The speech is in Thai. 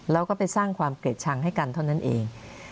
แล้วก็ไปสร้างความเกลียดชังให้กันเท่านั้นเอง